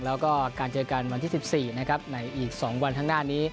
แล้วก็การเจอกันวันที่๑๔นะครับในอีก๒วันข้างหน้านี้